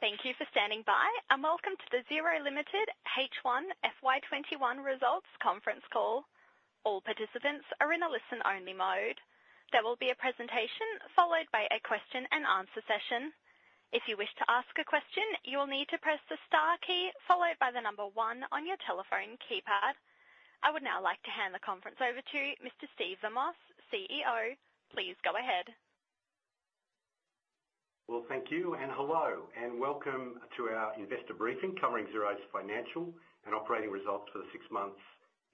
Thank you for standing by, and welcome to the Xero Limited H1 FY 2021 Results conference call. All participants are in a listen-only mode. There will be a presentation followed by a question-and-answer session. If you wish to ask a question, you will need to press the star key followed by the number one on your telephone keypad. I would now like to hand the conference over to Mr. Steve Vamos, CEO. Please go ahead. Well, thank you, hello, and welcome to our investor briefing covering Xero's financial and operating results for the six months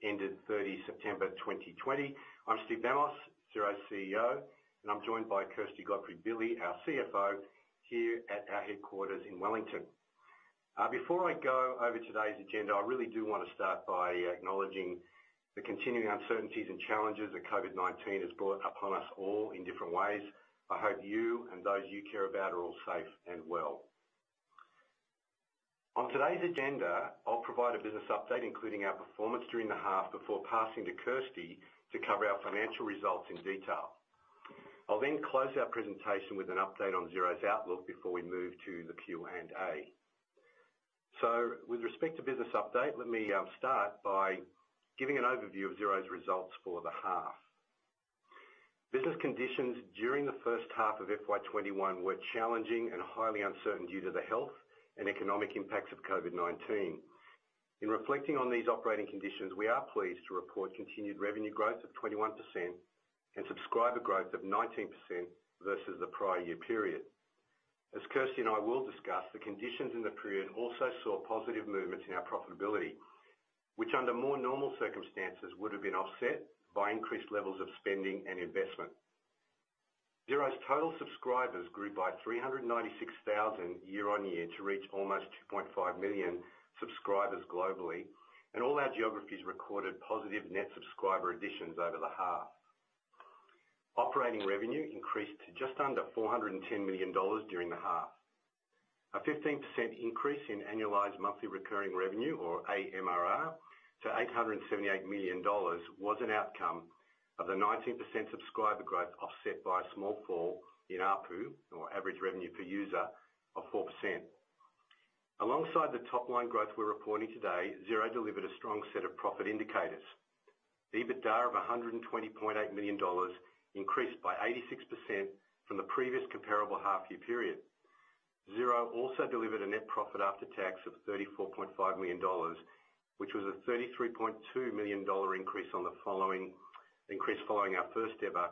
ending 30 September 2020. I'm Steve Vamos, Xero's CEO, and I'm joined by Kirsty Godfrey-Billy, our CFO, here at our headquarters in Wellington. Before I go over today's agenda, I really do want to start by acknowledging the continuing uncertainties and challenges that COVID-19 has brought upon us all in different ways. I hope you and those you care about are all safe and well. On today's agenda, I'll provide a business update, including our performance during the half, before passing to Kirsty to cover our financial results in detail. I'll then close our presentation with an update on Xero's outlook before we move to the Q&A. With respect to business update, let me start by giving an overview of Xero's results for the half. Business conditions during the first half of FY 2021 were challenging and highly uncertain due to the health and economic impacts of COVID-19. In reflecting on these operating conditions, we are pleased to report continued revenue growth of 21% and subscriber growth of 19% versus the prior year period. As Kirsty and I will discuss, the conditions in the period also saw positive movements in our profitability, which under more normal circumstances, would've been offset by increased levels of spending and investment. Xero's total subscribers grew by 396,000 year-on-year to reach almost 2.5 million subscribers globally, and all our geographies recorded positive net subscriber additions over the half. Operating revenue increased to just under 410 million dollars during the half. A 15% increase in annualized monthly recurring revenue, or AMRR, to 878 million dollars was an outcome of the 19% subscriber growth offset by a small fall in ARPU, or average revenue per user, of 4%. Alongside the top-line growth we're reporting today, Xero delivered a strong set of profit indicators. The EBITDA of 120.8 million dollars increased by 86% from the previous comparable half year period. Xero also delivered a net profit after tax of 34.5 million dollars, which was a 33.2 million dollar increase following our first-ever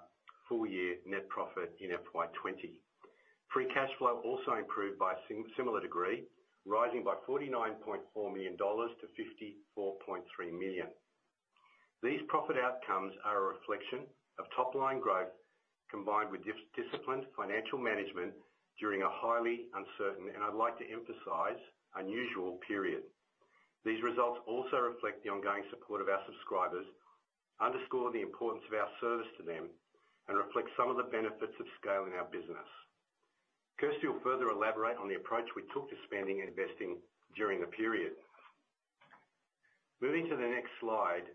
full year net profit in FY 2020. Free cash flow also improved by a similar degree, rising by 49.4 million dollars to 54.3 million. These profit outcomes are a reflection of top-line growth combined with disciplined financial management during a highly uncertain, and I'd like to emphasize, unusual period. These results also reflect the ongoing support of our subscribers, underscore the importance of our service to them, and reflect some of the benefits of scaling our business. Kirsty will further elaborate on the approach we took to spending and investing during the period. Moving to the next slide,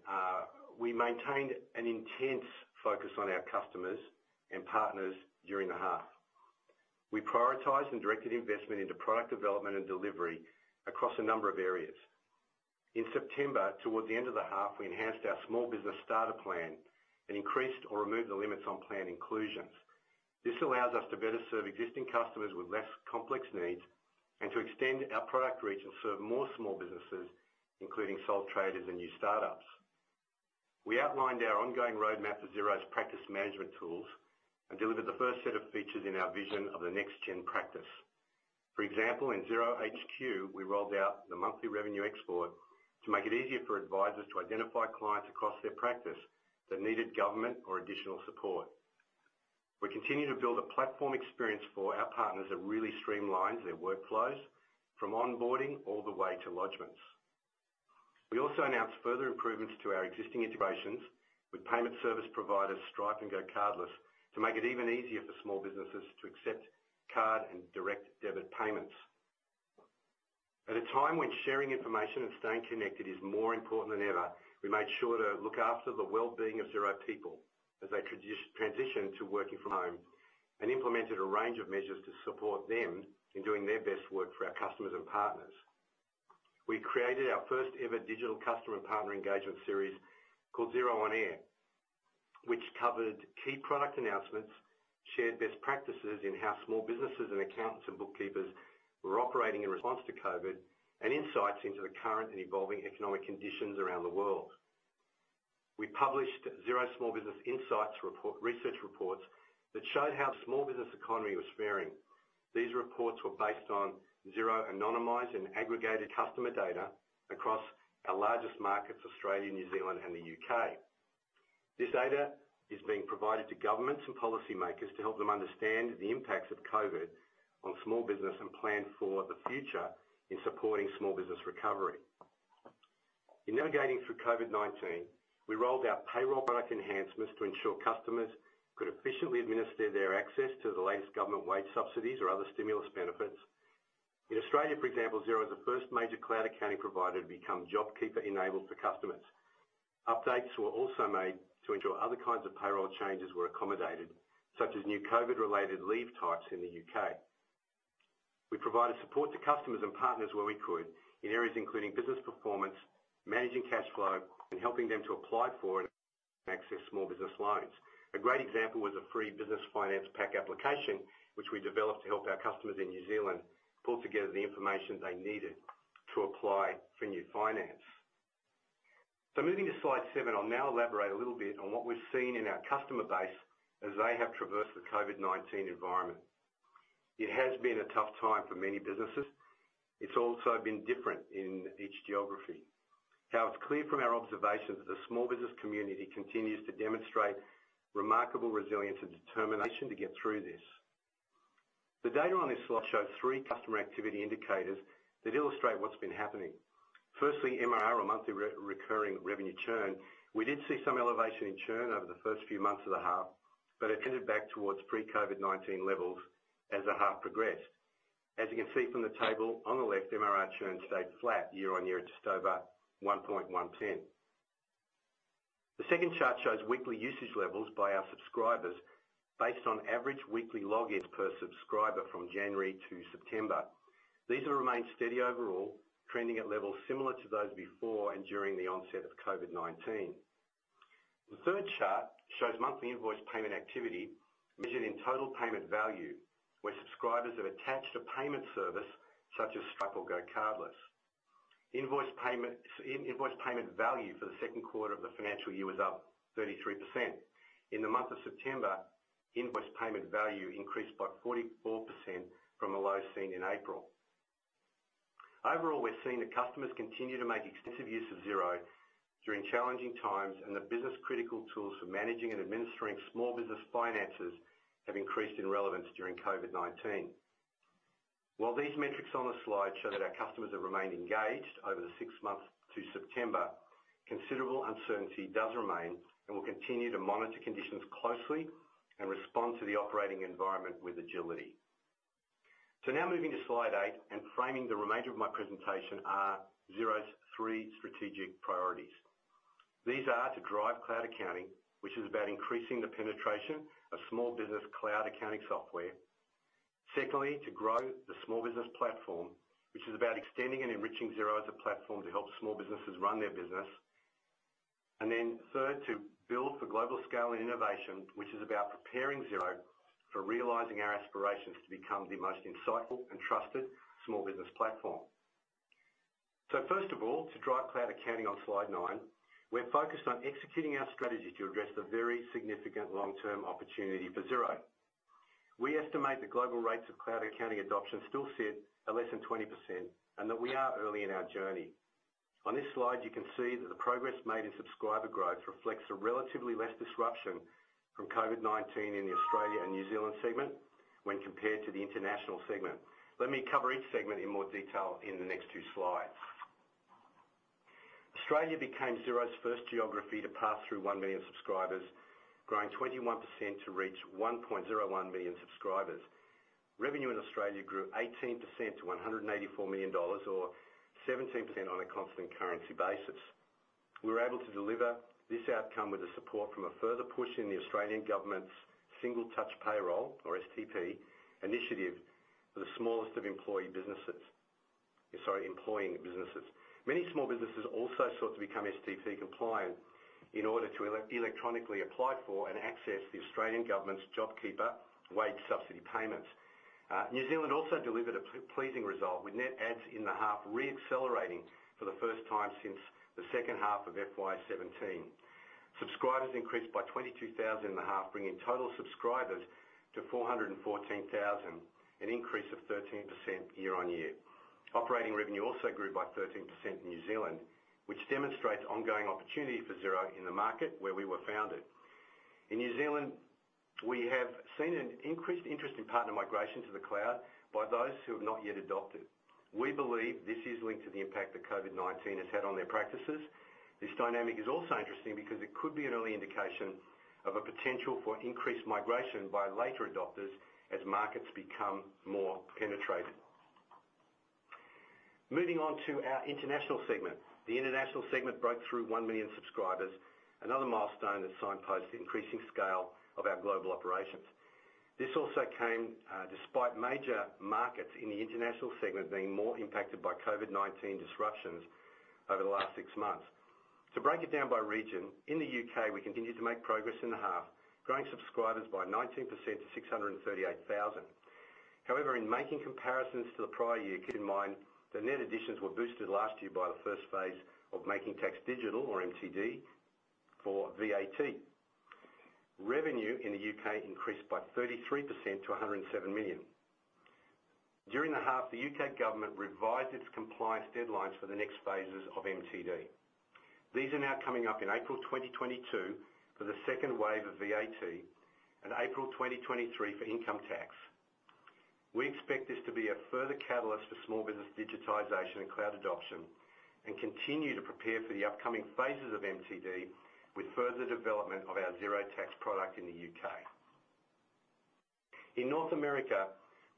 we maintained an intense focus on our customers and partners during the half. We prioritized and directed investment into product development and delivery across a number of areas. In September, towards the end of the half, we enhanced our small business starter plan and increased or removed the limits on plan inclusions. This allows us to better serve existing customers with less complex needs and to extend our product reach and serve more small businesses, including sole traders and new startups. We outlined our ongoing roadmap of Xero's practice management tools and delivered the first set of features in our vision of the next-gen practice. For example, in Xero HQ, we rolled out the monthly revenue export to make it easier for advisors to identify clients across their practice that needed government or additional support. We continue to build a platform experience for our partners that really streamlines their workflows from onboarding all the way to lodgments. We also announced further improvements to our existing integrations with payment service providers Stripe and GoCardless to make it even easier for small businesses to accept card and direct debit payments. At a time when sharing information and staying connected is more important than ever, we made sure to look after the well-being of Xero people as they transitioned to working from home and implemented a range of measures to support them in doing their best work for our customers and partners. We created our first-ever digital customer partner engagement series called Xero On Air, which covered key product announcements, shared best practices in how small businesses and accountants and bookkeepers were operating in response to COVID-19, and insights into the current and evolving economic conditions around the world. We published Xero Small Business Insights research reports that showed how the small business economy was faring. These reports were based on Xero anonymized and aggregated customer data across our largest markets, Australia, New Zealand, and the U.K. This data is being provided to governments and policymakers to help them understand the impacts of COVID on small business and plan for the future in supporting small business recovery. In navigating through COVID-19, we rolled out payroll product enhancements to ensure customers could efficiently administer their access to the latest government wage subsidies or other stimulus benefits. In Australia, for example, Xero was the first major cloud accounting provider to become JobKeeper-enabled for customers. Updates were also made to ensure other kinds of payroll changes were accommodated, such as new COVID-related leave types in the U.K. We provided support to customers and partners where we could in areas including business performance, managing cash flow, and helping them to apply for and access small business loans. A great example was a free business finance pack application, which we developed to help our customers in New Zealand pull together the information they needed to apply for new finance. Moving to slide seven, I'll now elaborate a little bit on what we've seen in our customer base as they have traversed the COVID-19 environment. It has been a tough time for many businesses. It's also been different in each geography. How it's clear from our observations that the small business community continues to demonstrate remarkable resilience and determination to get through this. The data on this slide shows three customer activity indicators that illustrate what's been happening. Firstly, MRR, or Monthly Recurring Revenue churn. We did see some elevation in churn over the first few months of the half, but it ended back towards pre-COVID-19 levels as the half progressed. As you can see from the table on the left, MRR churn stayed flat year-on-year at just over 1.110. The second chart shows weekly usage levels by our subscribers based on average weekly logins per subscriber from January to September. These have remained steady overall, trending at levels similar to those before and during the onset of COVID-19. The third chart shows monthly invoice payment activity measured in total payment value, where subscribers have attached a payment service such as Stripe or GoCardless. Invoice payment value for the second quarter of the financial year was up 33%. In the month of September, invoice payment value increased by 44% from a low seen in April. Overall, we're seeing that customers continue to make extensive use of Xero during challenging times, and the business-critical tools for managing and administering small business finances have increased in relevance during COVID-19. While these metrics on the slide show that our customers have remained engaged over the six months to September, considerable uncertainty does remain, and we'll continue to monitor conditions closely and respond to the operating environment with agility. Now moving to slide eight, and framing the remainder of my presentation are Xero's three strategic priorities. These are to drive cloud accounting, which is about increasing the penetration of small business cloud accounting software. Secondly, to grow the small business platform, which is about extending and enriching Xero as a platform to help small businesses run their business. Then third, to build for global scale and innovation, which is about preparing Xero for realizing our aspirations to become the most insightful and trusted small business platform. First of all, to drive cloud accounting on slide nine, we're focused on executing our strategy to address the very significant long-term opportunity for Xero. We estimate the global rates of cloud accounting adoption still sit at less than 20% and that we are early in our journey. On this slide, you can see that the progress made in subscriber growth reflects a relatively less disruption from COVID-19 in the Australia and New Zealand segment when compared to the international segment. Let me cover each segment in more detail in the next two slides. Australia became Xero's first geography to pass through 1 million subscribers, growing 21% to reach 1.01 million subscribers. Revenue in Australia grew 18% to 184 million dollars, or 17% on a constant currency basis. We were able to deliver this outcome with the support from a further push in the Australian government's Single Touch Payroll, or STP, initiative for the smallest of employee businesses. Sorry, employing businesses. Many small businesses also sought to become STP compliant in order to electronically apply for and access the Australian government's JobKeeper wage subsidy payments. New Zealand also delivered a pleasing result, with net adds in the half re-accelerating for the first time since the second half of FY 2017. Subscribers increased by 22,000 in the half, bringing total subscribers to 414,000, an increase of 13% year-on-year. Operating revenue also grew by 13% in New Zealand, which demonstrates ongoing opportunity for Xero in the market where we were founded. In New Zealand, we have seen an increased interest in partner migration to the cloud by those who have not yet adopted. We believe this is linked to the impact that COVID-19 has had on their practices. This dynamic is also interesting because it could be an early indication of a potential for increased migration by later adopters as markets become more penetrated. Moving on to our international segment. The international segment broke through 1 million subscribers, another milestone that signposts the increasing scale of our global operations. This also came despite major markets in the international segment being more impacted by COVID-19 disruptions over the last six months. To break it down by region, in the U.K., we continued to make progress in the half, growing subscribers by 19% to 638,000. In making comparisons to the prior year, keep in mind that net additions were boosted last year by the first phase of Making Tax Digital, or MTD, for VAT. Revenue in the U.K. increased by 33% to 107 million. During the half, the U.K. government revised its compliance deadlines for the next phases of MTD. These are now coming up in April 2022 for the second wave of VAT and April 2023 for income tax. We expect this to be a further catalyst for small business digitization and cloud adoption and continue to prepare for the upcoming phases of MTD with further development of our Xero Tax product in the U.K. In North America,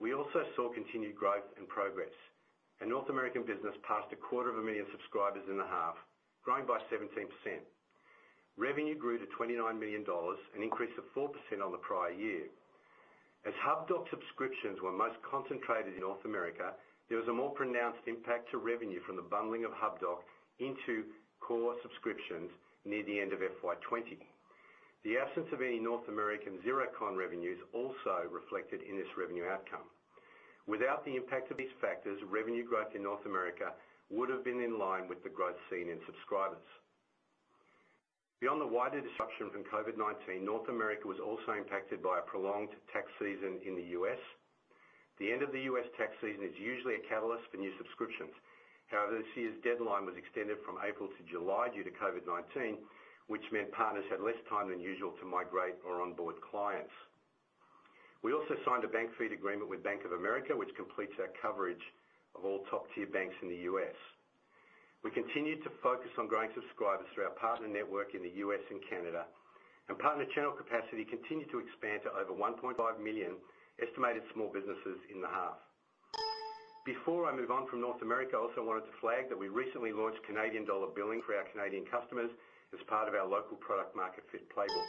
we also saw continued growth and progress. Our North American business passed a quarter of a million subscribers in the half, growing by 17%. Revenue grew to 29 million dollars, an increase of 4% on the prior year. As Hubdoc subscriptions were most concentrated in North America, there was a more pronounced impact to revenue from the bundling of Hubdoc into core subscriptions near the end of FY20. The absence of any North American Xerocon revenues also reflected in this revenue outcome. Without the impact of these factors, revenue growth in North America would've been in line with the growth seen in subscribers. Beyond the wider disruption from COVID-19, North America was also impacted by a prolonged tax season in the U.S. The end of the U.S. tax season is usually a catalyst for new subscriptions. However, this year's deadline was extended from April to July due to COVID-19, which meant partners had less time than usual to migrate or onboard clients. We also signed a bank feed agreement with Bank of America, which completes our coverage of all top-tier banks in the U.S. We continue to focus on growing subscribers through our partner network in the U.S. and Canada. Partner channel capacity continued to expand to over 1.5 million estimated small businesses in the half. Before I move on from North America, I also wanted to flag that we recently launched Canadian dollar billing for our Canadian customers as part of our local product market fit playbook.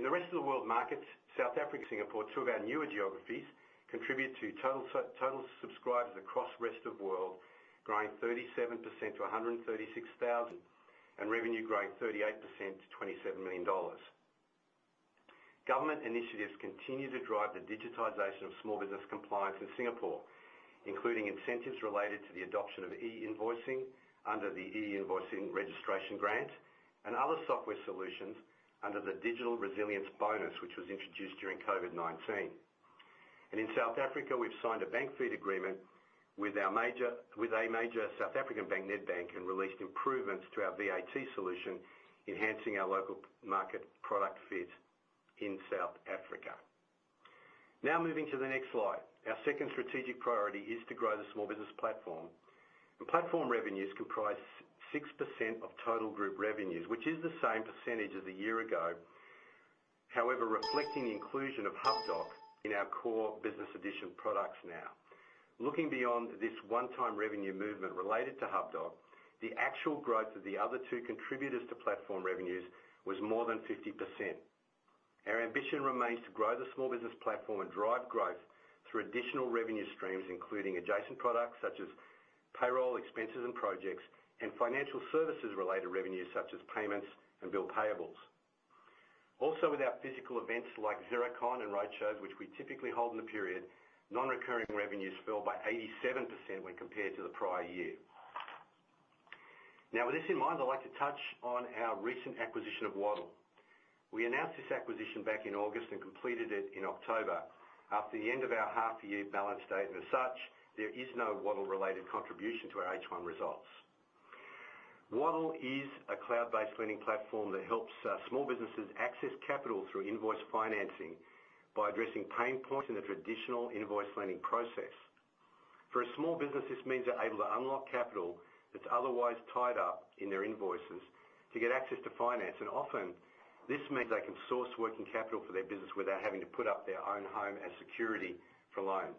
In the rest of the world markets, South Africa, Singapore, two of our newer geographies, contribute to total subscribers across rest of world, growing 37% to 136,000, and revenue growing 38% to 27 million dollars. Government initiatives continue to drive the digitization of small business compliance in Singapore, including incentives related to the adoption of e-Invoicing under the e-Invoicing Registration Grant, and other software solutions under the Digital Resilience Bonus, which was introduced during COVID-19. In South Africa, we've signed a bank feed agreement with a major South African bank, Nedbank, and released improvements to our VAT solution, enhancing our local market product fit in South Africa. Moving to the next slide. Our second strategic priority is to grow the small business platform. Platform revenues comprise 6% of total group revenues, which is the same percentage as a year ago, however, reflecting the inclusion of Hubdoc in our core business edition products now. Looking beyond this one-time revenue movement related to Hubdoc, the actual growth of the other two contributors to platform revenues was more than 50%. Our ambition remains to grow the small business platform and drive growth through additional revenue streams, including adjacent products such as payroll, expenses and projects, and financial services related revenues such as payments and bill payables. Without physical events like Xerocon and Road Shows, which we typically hold in the period, non-recurring revenues fell by 87% when compared to the prior year. With this in mind, I'd like to touch on our recent acquisition of Waddle. We announced this acquisition back in August and completed it in October, after the end of our half-year balance date, and as such, there is no Waddle-related contribution to our H1 results. Waddle is a cloud-based lending platform that helps small businesses access capital through invoice financing by addressing pain points in the traditional invoice lending process. For a small business, this means they're able to unlock capital that's otherwise tied up in their invoices to get access to finance. Often, this means they can source working capital for their business without having to put up their own home as security for a loan.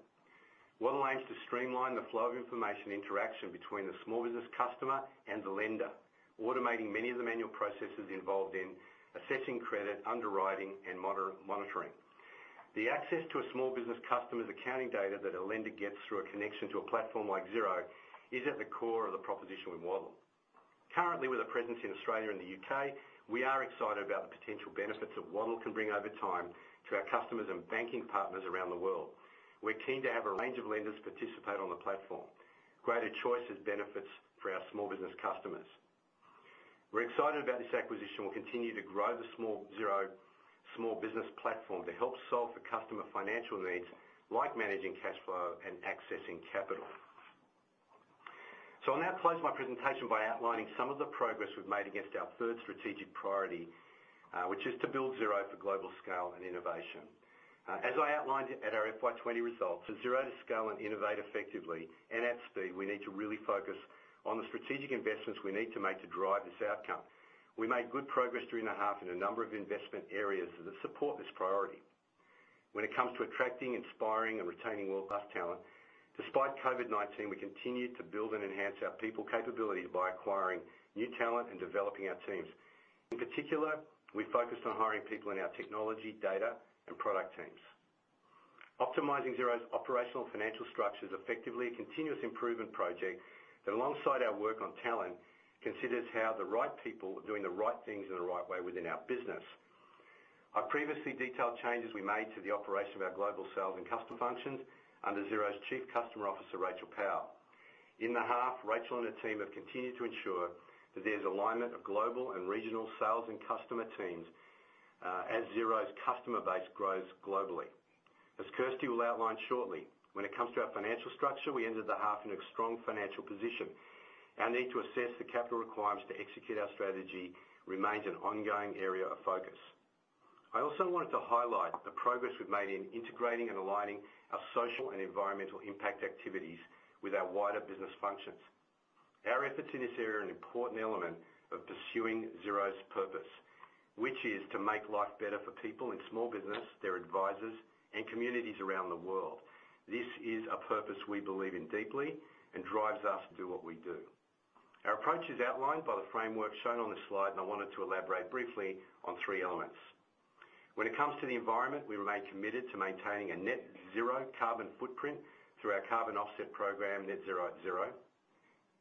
Waddle aims to streamline the flow of information interaction between the small business customer and the lender, automating many of the manual processes involved in assessing credit, underwriting, and monitoring. The access to a small business customer's accounting data that a lender gets through a connection to a platform like Xero is at the core of the proposition with Waddle. Currently, with a presence in Australia and the U.K., we are excited about the potential benefits that Waddle can bring over time to our customers and banking partners around the world. We're keen to have a range of lenders participate on the platform. Greater choice is benefits for our small business customers. We're excited about this acquisition. We'll continue to grow the Xero small business platform to help solve for customer financial needs, like managing cash flow and accessing capital. I'll now close my presentation by outlining some of the progress we've made against our third strategic priority, which is to build Xero for global scale and innovation. As I outlined at our FY 2020 results, for Xero to scale and innovate effectively and at speed, we need to really focus on the strategic investments we need to make to drive this outcome. We made good progress during the half in a number of investment areas that support this priority. When it comes to attracting, inspiring, and retaining world-class talent, despite COVID-19, we continued to build and enhance our people capability by acquiring new talent and developing our teams. In particular, we focused on hiring people in our technology, data, and product teams. Optimizing Xero's operational financial structure is effectively a continuous improvement project that, alongside our work on talent, considers how the right people are doing the right things in the right way within our business. I previously detailed changes we made to the operation of our global sales and customer functions under Xero's Chief Customer Officer, Rachael Powell. In the half, Rachael and her team have continued to ensure that there's alignment of global and regional sales and customer teams, as Xero's customer base grows globally. As Kirsty will outline shortly, when it comes to our financial structure, we ended the half in a strong financial position. Our need to assess the capital requirements to execute our strategy remains an ongoing area of focus. I also wanted to highlight the progress we've made in integrating and aligning our social and environmental impact activities with our wider business functions. Our efforts in this area are an important element of pursuing Xero's purpose, which is to make life better for people in small business, their advisors, and communities around the world. This is a purpose we believe in deeply and drives us to do what we do. Our approach is outlined by the framework shown on this slide, and I wanted to elaborate briefly on three elements. When it comes to the environment, we remain committed to maintaining a net zero carbon footprint through our carbon offset program, Net Zero @ Xero.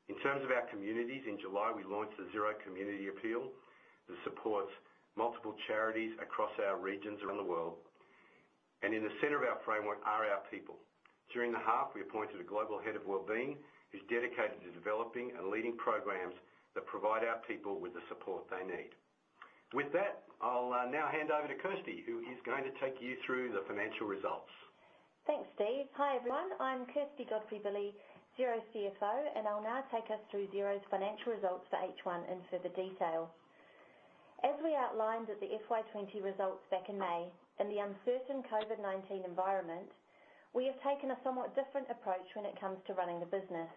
In terms of our communities, in July, we launched the Xero Community Appeal that supports multiple charities across our regions around the world. In the center of our framework are our people. During the half, we appointed a global head of well-being, who's dedicated to developing and leading programs that provide our people with the support they need. With that, I'll now hand over to Kirsty, who is going to take you through the financial results. Thanks, Steve. Hi, everyone. I'm Kirsty Godfrey-Billy, Xero's CFO, and I'll now take us through Xero's financial results for H1 in further detail. As we outlined at the FY20 results back in May, in the uncertain COVID-19 environment, we have taken a somewhat different approach when it comes to running the business.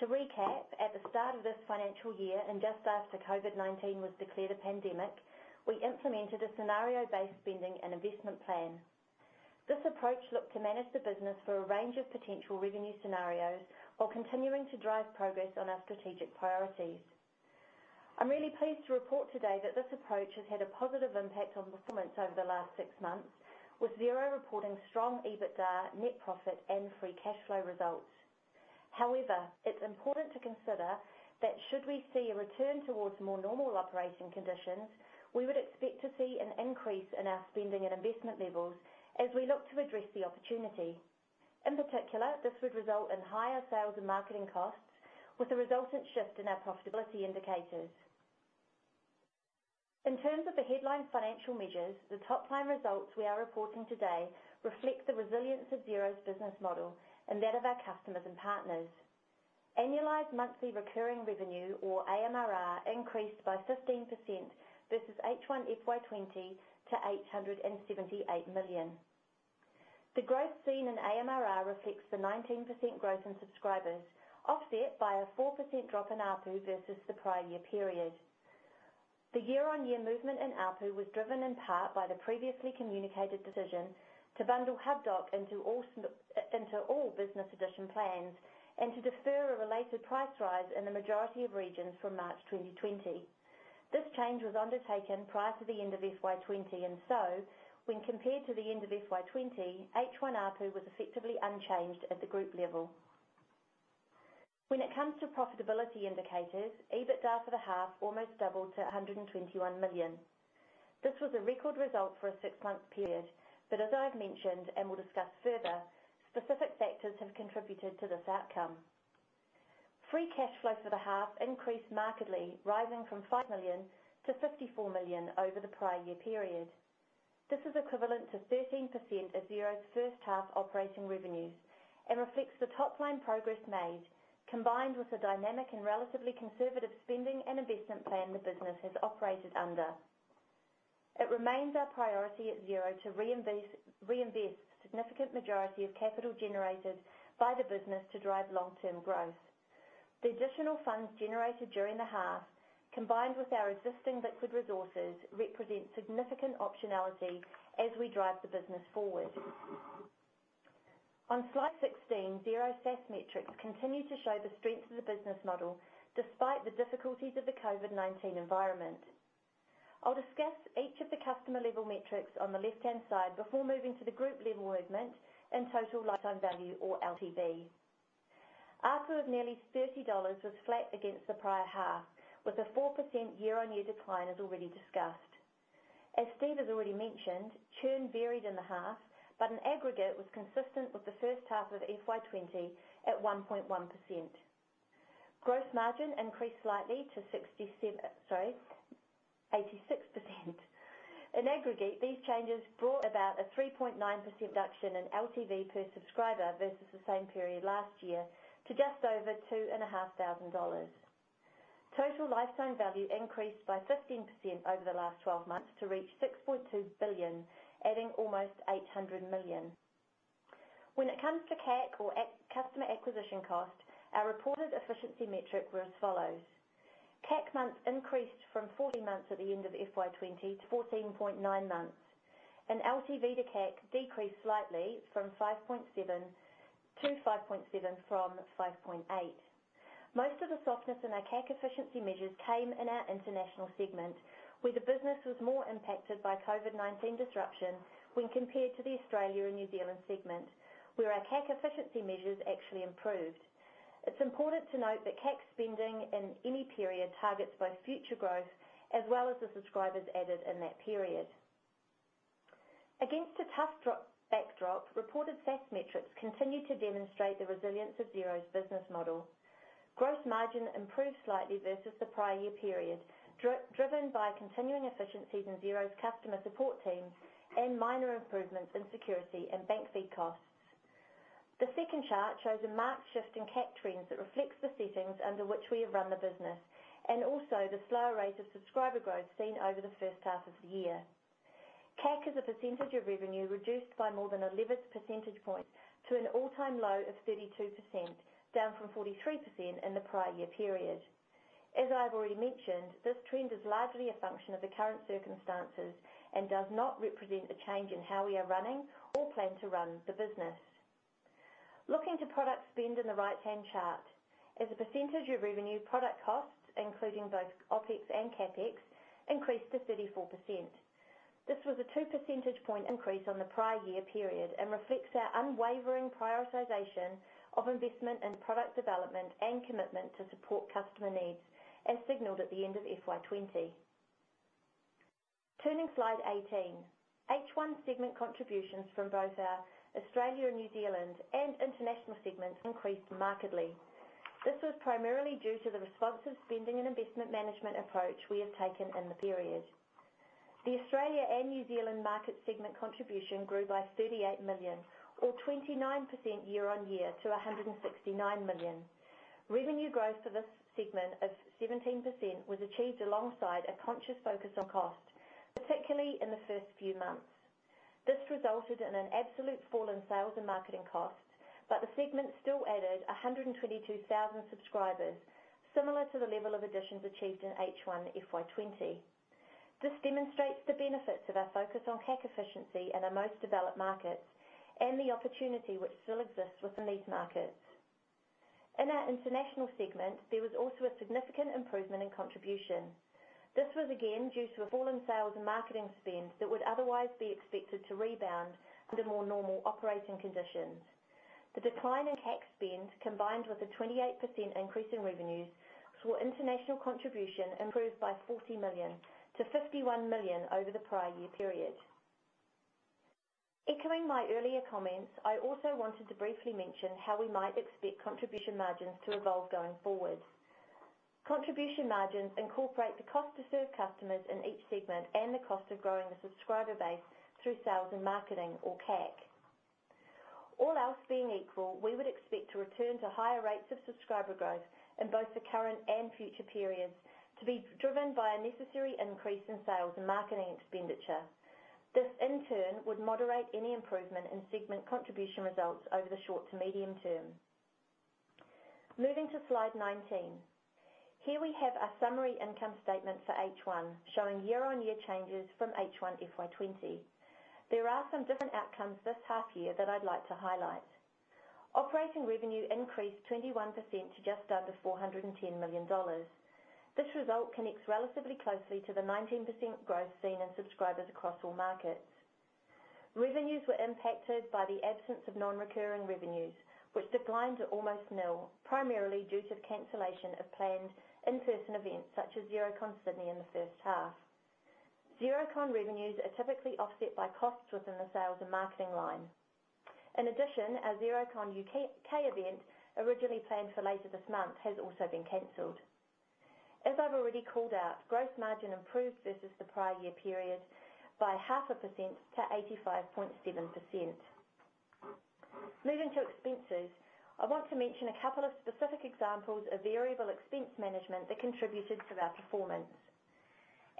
To recap, at the start of this financial year, and just after COVID-19 was declared a pandemic, we implemented a scenario-based spending and investment plan. This approach looked to manage the business for a range of potential revenue scenarios while continuing to drive progress on our strategic priorities. I'm really pleased to report today that this approach has had a positive impact on performance over the last six months, with Xero reporting strong EBITDA, net profit, and free cash flow results. However, it's important to consider that should we see a return towards more normal operating conditions, we would expect to see an increase in our spending and investment levels as we look to address the opportunity. In particular, this would result in higher sales and marketing costs with a resultant shift in our profitability indicators. In terms of the headline financial measures, the top-line results we are reporting today reflect the resilience of Xero's business model and that of our customers and partners. Annualized monthly recurring revenue, or AMRR, increased by 15% versus H1 FY 2020 to 878 million. The growth seen in AMRR reflects the 19% growth in subscribers, offset by a 4% drop in ARPU versus the prior year period. The year-on-year movement in ARPU was driven in part by the previously communicated decision to bundle Hubdoc into all business edition plans and to defer a related price rise in the majority of regions from March 2020. This change was undertaken prior to the end of FY20. So when compared to the end of FY20, H1 ARPU was effectively unchanged at the group level. When it comes to profitability indicators, EBITDA for the half almost doubled to 121 million. This was a record result for a six-month period. As I've mentioned and will discuss further, specific factors have contributed to this outcome. Free cash flow for the half increased markedly, rising from 5 million to 54 million over the prior year period. This is equivalent to 13% of Xero's first half operating revenues and reflects the top-line progress made, combined with the dynamic and relatively conservative spending and investment plan the business has operated under. It remains our priority at Xero to reinvest significant majority of capital generated by the business to drive long-term growth. The additional funds generated during the half, combined with our existing liquid resources, represent significant optionality as we drive the business forward. On slide 16, Xero's SaaS metrics continue to show the strength of the business model despite the difficulties of the COVID-19 environment. I'll discuss each of the customer-level metrics on the left-hand side before moving to the group-level movement and total lifetime value or LTV. ARPU of nearly 30 dollars was flat against the prior half with a 4% year-on-year decline, as already discussed. As Steve has already mentioned, churn varied in the half, but in aggregate was consistent with the first half of FY 2020 at 1.1%. Gross margin increased slightly to 86%. In aggregate, these changes brought about a 3.9% reduction in LTV per subscriber versus the same period last year to just over 2,500 dollars. Total lifetime value increased by 15% over the last 12 months to reach 6.2 billion, adding almost 800 million. When it comes to CAC or customer acquisition cost, our reported efficiency metric were as follows. CAC months increased from 40 months at the end of FY 2020 to 14.9 months, LTV to CAC decreased slightly to 5.7 from 5.8. Most of the softness in our CAC efficiency measures came in our international segment, where the business was more impacted by COVID-19 disruption when compared to the Australia and New Zealand segment, where our CAC efficiency measures actually improved. It's important to note that CAC spending in any period targets both future growth as well as the subscribers added in that period. Against a tough backdrop, reported SaaS metrics continue to demonstrate the resilience of Xero's business model. Gross margin improved slightly versus the prior year period, driven by continuing efficiencies in Xero's customer support team and minor improvements in security and bank fee costs. The second chart shows a marked shift in CAC trends that reflects the settings under which we have run the business, and also the slower rate of subscriber growth seen over the first half of the year. CAC as a percentage of revenue reduced by more than 11% points to an all-time low of 32%, down from 43% in the prior year period. As I've already mentioned, this trend is largely a function of the current circumstances and does not represent a change in how we are running or plan to run the business. Looking to product spend in the right-hand chart. As a percentage of revenue, product costs, including both OpEx and CapEx, increased to 34%. This was a two percentage point increase on the prior year period and reflects our unwavering prioritization of investment in product development and commitment to support customer needs, as signaled at the end of FY 2020. Turning to slide 18. H1 segment contributions from both our Australia and New Zealand and international segments increased markedly. This was primarily due to the responsive spending and investment management approach we have taken in the period. The Australia and New Zealand market segment contribution grew by 38 million or 29% year-on-year to 169 million. Revenue growth for this segment of 17% was achieved alongside a conscious focus on cost, particularly in the first few months. This resulted in an absolute fall in sales and marketing costs, but the segment still added 122,000 subscribers, similar to the level of additions achieved in H1 FY 2020. This demonstrates the benefits of our focus on CAC efficiency in our most developed markets and the opportunity which still exists within these markets. In our international segment, there was also a significant improvement in contribution. This was again due to a fall in sales and marketing spend that would otherwise be expected to rebound under more normal operating conditions. The decline in CAC spend, combined with a 28% increase in revenues, saw international contribution improve by 40 million to 51 million over the prior year period. Echoing my earlier comments, I also wanted to briefly mention how we might expect contribution margins to evolve going forward. Contribution margins incorporate the cost to serve customers in each segment and the cost of growing the subscriber base through sales and marketing or CAC. All else being equal, we would expect to return to higher rates of subscriber growth in both the current and future periods to be driven by a necessary increase in sales and marketing expenditure. This, in turn, would moderate any improvement in segment contribution results over the short to medium term. Moving to slide 19. Here we have our summary income statement for H1, showing year-on-year changes from H1 FY 2020. There are some different outcomes this half year that I'd like to highlight. Operating revenue increased 21% to just under 410 million dollars. This result connects relatively closely to the 19% growth seen in subscribers across all markets. Revenues were impacted by the absence of non-recurring revenues, which declined to almost nil, primarily due to the cancellation of planned in-person events such as Xerocon Sydney in the first half. Xerocon revenues are typically offset by costs within the sales and marketing line. In addition, our Xerocon U.K. event, originally planned for later this month, has also been canceled. As I've already called out, gross margin improved versus the prior year period by half a percent to 85.7%. Moving to expenses, I want to mention a couple of specific examples of variable expense management that contributed to our performance.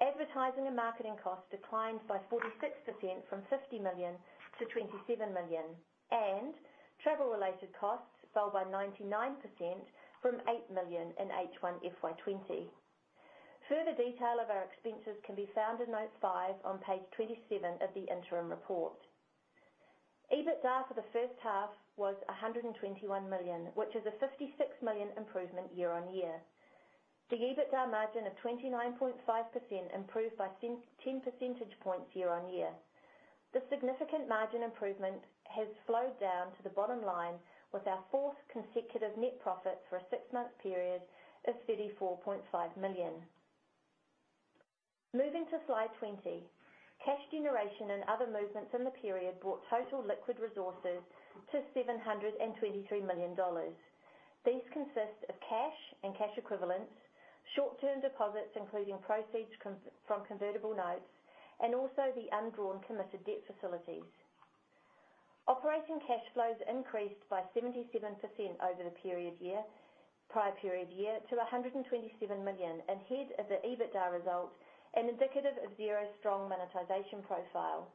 Advertising and marketing costs declined by 46% from 50 million to 27 million, and travel-related costs fell by 99% from 8 million in H1 FY 2020. Further detail of our expenses can be found in note five on page 27 of the interim report. EBITDA for the first half was 121 million, which is a 56 million improvement year-on-year. The EBITDA margin of 29.5% improved by 10 percentage points year-on-year. The significant margin improvement has flowed down to the bottom line with our fourth consecutive net profit for a 6-month period of 34.5 million. Moving to slide 20. Cash generation and other movements in the period brought total liquid resources to 723 million dollars. These consist of cash and cash equivalents, short-term deposits, including proceeds from convertible notes, and also the undrawn committed debt facilities. Operating cash flows increased by 77% over the prior period year to 127 million in ahead of the EBITDA result and indicative of Xero's strong monetization profile.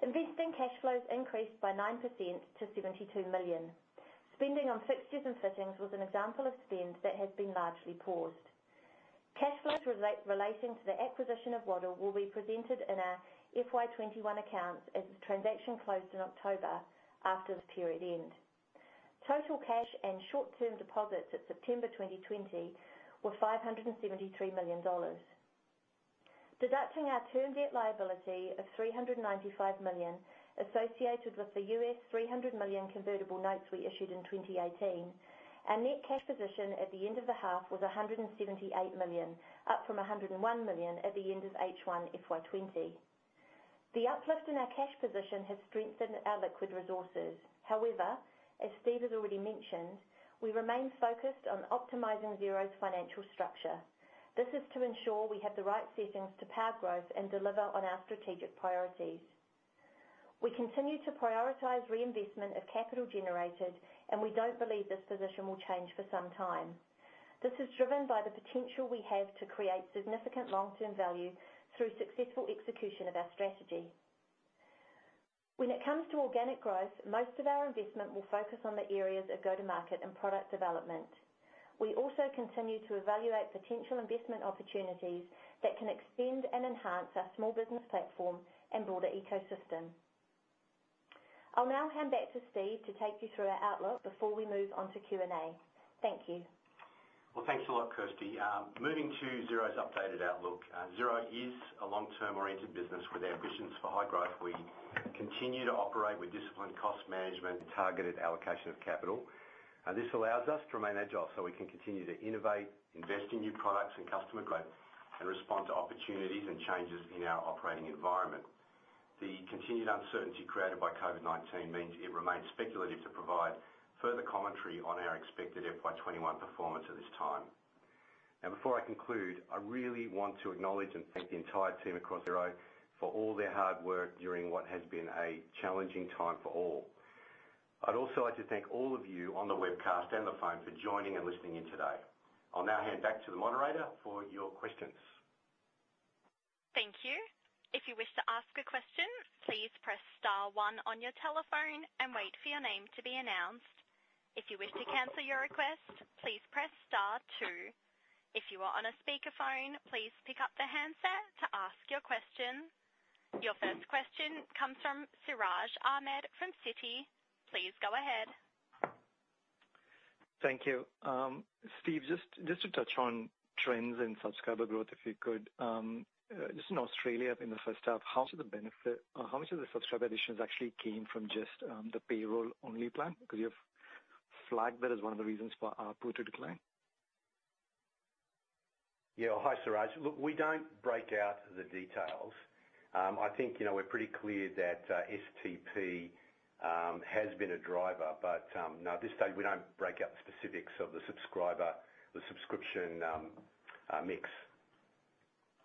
Investing cash flows increased by 9% to 72 million. Spending on fixtures and fittings was an example of spend that has been largely paused. Cash flows relating to the acquisition of Waddle will be presented in our FY 2021 accounts as the transaction closed in October after the period end. Total cash and short-term deposits at September 2020 were 573 million dollars. Deducting our term debt liability of 395 million associated with the US $300 million convertible notes we issued in 2018, our net cash position at the end of the half was 178 million, up from 101 million at the end of H1 FY 2020. The uplift in our cash position has strengthened our liquid resources. As Steve has already mentioned, we remain focused on optimizing Xero's financial structure. This is to ensure we have the right settings to power growth and deliver on our strategic priorities. We continue to prioritize reinvestment of capital generated, we don't believe this position will change for some time. This is driven by the potential we have to create significant long-term value through successful execution of our strategy. When it comes to organic growth, most of our investment will focus on the areas of go-to-market and product development. We also continue to evaluate potential investment opportunities that can extend and enhance our small business platform and broader ecosystem. I'll now hand back to Steve to take you through our outlook before we move on to Q&A. Thank you. Well, thanks a lot, Kirsty. Moving to Xero's updated outlook. Xero is a long-term oriented business with ambitions for high growth. We continue to operate with disciplined cost management and targeted allocation of capital. This allows us to remain agile so we can continue to innovate, invest in new products and customer growth, and respond to opportunities and changes in our operating environment. The continued uncertainty created by COVID-19 means it remains speculative to provide further commentary on our expected FY 2021 performance at this time. Before I conclude, I really want to acknowledge and thank the entire team across Xero for all their hard work during what has been a challenging time for all. I'd also like to thank all of you on the webcast and the phone for joining and listening in today. I'll now hand back to the moderator for your questions. Thank you. If you wish to ask a question, please press star one on your telephone and wait for your name to be announced. If you wish to cancel your request, please press star two. If you are on a speakerphone, please pick up the handset to ask your question. Your first question comes from Siraj Ahmed from Citi. Please go ahead. Thank you. Steve, just to touch on trends in subscriber growth, if you could. Just in Australia in the first half, how much of the subscriber additions actually came from just the payroll-only plan? You've flagged that as one of the reasons for ARPU to decline. Yeah. Hi, Siraj. Look, we don't break out the details. I think we're pretty clear that STP has been a driver, but no, at this stage, we don't break out the specifics of the subscription mix.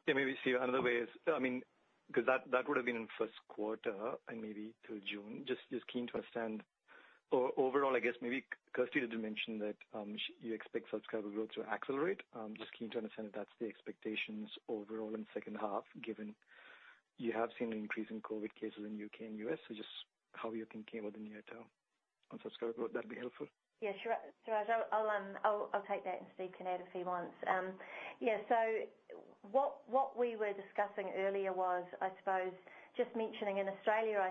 Yeah, maybe, Steve, another way is, because that would have been in first quarter and maybe till June. Keen to understand or overall, I guess maybe Kirsty did mention that you expect subscriber growth to accelerate. Keen to understand if that's the expectations overall in second half, given you have seen an increase in COVID cases in U.K. and U.S. Just how you're thinking about the near term on subscriber, would that be helpful? Siraj, I'll take that, and Steve can add if he wants. What we were discussing earlier was, just mentioning in Australia,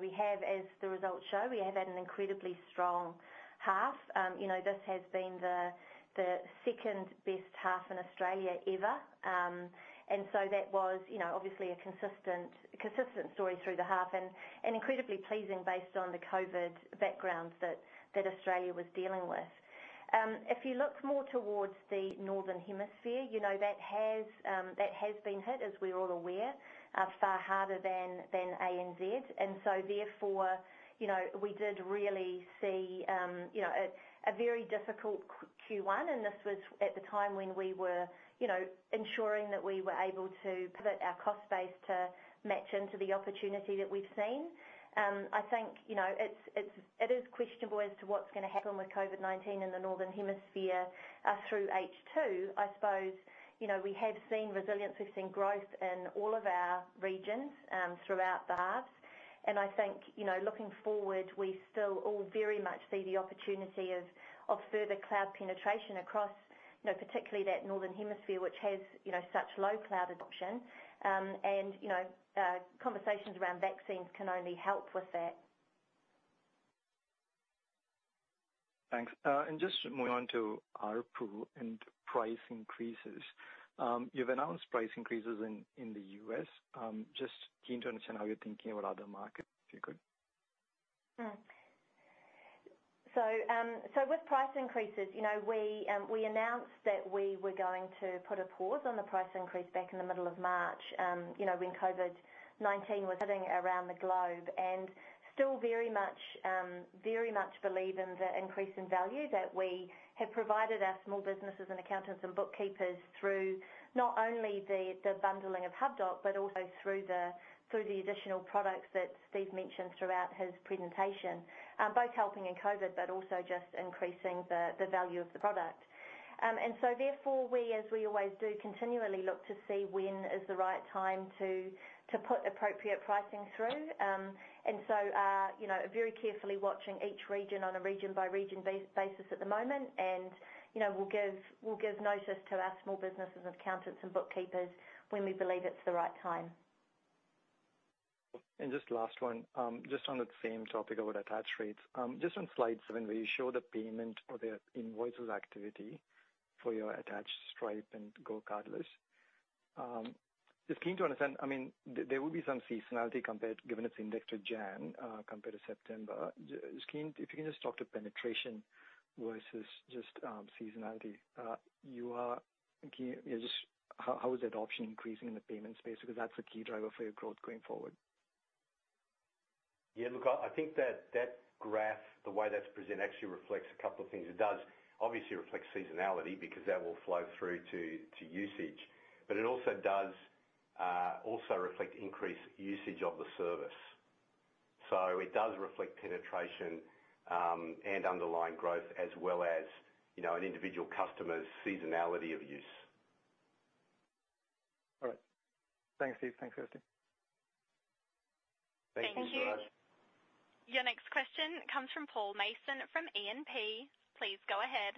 we have, as the results show, we have had an incredibly strong half. This has been the second-best half in Australia ever. That was obviously a consistent story through the half and incredibly pleasing based on the COVID backgrounds that Australia was dealing with. If you look more towards the northern hemisphere, that has been hit, as we're all aware, far harder than ANZ. Therefore, we did really see a very difficult Q1, and this was at the time when we were ensuring that we were able to pivot our cost base to match into the opportunity that we've seen. I think, it is questionable as to what's going to happen with COVID-19 in the northern hemisphere through H2. I suppose, we have seen resilience, we've seen growth in all of our regions throughout the half. I think, looking forward, we still all very much see the opportunity of further cloud penetration across particularly that northern hemisphere, which has such low cloud adoption. Conversations around vaccines can only help with that. Thanks. Just moving on to ARPU and price increases. You've announced price increases in the U.S. Just keen to understand how you're thinking about other markets, if you could. With price increases, we announced that we were going to put a pause on the price increase back in the middle of March, when COVID-19 was hitting around the globe. Still very much believe in the increase in value that we have provided our small businesses and accountants and bookkeepers through not only the bundling of Hubdoc, but also through the additional products that Steve mentioned throughout his presentation. Both helping in COVID, but also just increasing the value of the product. Therefore, we, as we always do, continually look to see when is the right time to put appropriate pricing through. Very carefully watching each region on a region-by-region basis at the moment. We'll give notice to our small businesses, accountants, and bookkeepers when we believe it's the right time. Just last one. Just on the same topic about attach rates. Just on slide seven, where you show the payment or the invoices activity for your attached Stripe and GoCardless. Just keen to understand, there will be some seasonality given it's indexed to January compared to September. If you can just talk to penetration versus just seasonality. How is adoption increasing in the payment space? That's a key driver for your growth going forward. Yeah, look, I think that graph, the way that is presented actually reflects a couple of things. It does obviously reflect seasonality because that will flow through to usage. It also does reflect increased usage of the service. It does reflect penetration and underlying growth, as well as an individual customer's seasonality of use. All right. Thanks, Steve. Thanks, Kirsty. Thank you. Thank you. Your next question comes from Paul Mason from E&P Please go ahead.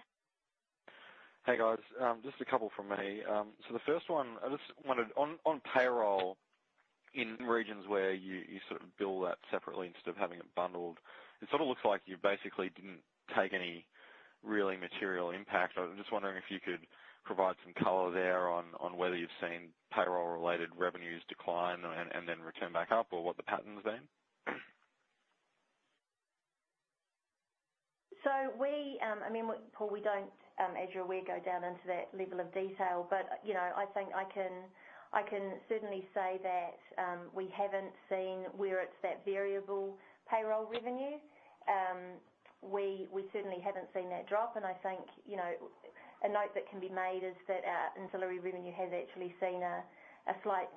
Hey, guys. Just a couple from me. The first one, I just wondered on payroll in regions where you sort of bill that separately instead of having it bundled, it sort of looks like you basically didn't take any really material impact. I'm just wondering if you could provide some color there on whether you've seen payroll-related revenues decline and then return back up, or what the pattern's been? Paul, we don't, as you're aware, go down into that level of detail. I think I can certainly say that we haven't seen where it's that variable payroll revenue. We certainly haven't seen that drop. I think, a note that can be made is that our ancillary revenue has actually seen a slight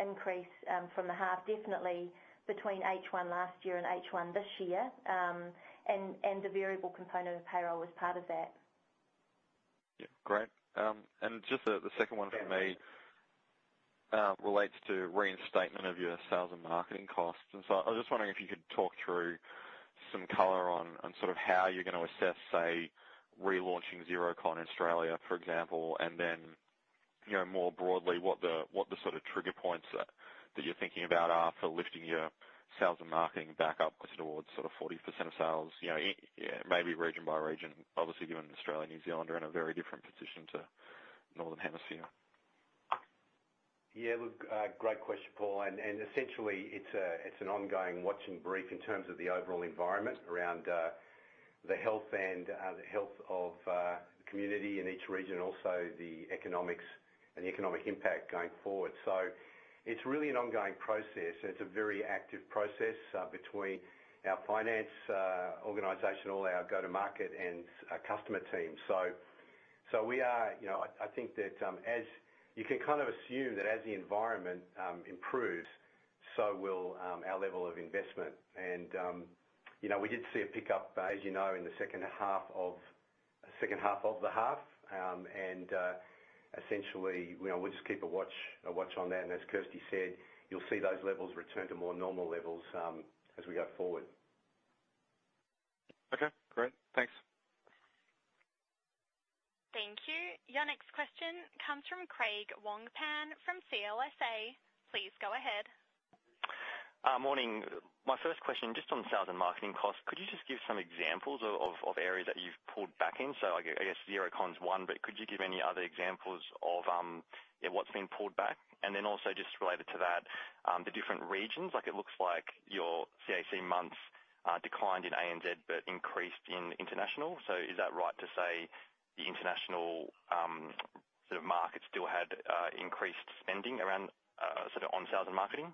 increase from the half, definitely between H1 last year and H1 this year. The variable component of payroll was part of that. Yeah. Great. Just the second one from me relates to reinstatement of your sales and marketing costs. I was just wondering if you could talk through some color on sort of how you're going to assess, say, relaunching Xerocon Australia, for example, and then more broadly, what the sort of trigger points are that you're thinking about are for lifting your sales and marketing back up towards sort of 40% of sales, maybe region by region, obviously, given Australia and New Zealand are in a very different position to Northern Hemisphere. Yeah. Look, great question, Paul. Essentially it's an ongoing watch and brief in terms of the overall environment around the health of the community in each region, also the economics and the economic impact going forward. It's really an ongoing process. It's a very active process between our finance organization, all our go-to-market and customer teams. I think that you can kind of assume that as the environment improves, so will our level of investment. We did see a pickup, as you know, in the second half of the half. Essentially, we'll just keep a watch on that. As Kirsty said, you'll see those levels return to more normal levels as we go forward. Okay, great. Thanks. Thank you. Your next question comes from Craig Wong-Pan from CLSA. Please go ahead. Morning. My first question, just on sales and marketing costs, could you just give some examples of areas that you've pulled back in? I guess Xerocon's one, but could you give any other examples of what's been pulled back? Also just related to that, the different regions, it looks like your CAC months declined in ANZ, but increased in international. Is that right to say the international sort of market still had increased spending around on sales and marketing?